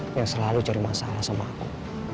aku yang selalu cari masalah sama aku